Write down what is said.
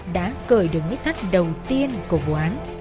đã cởi được nút thắt đầu tiên của vụ án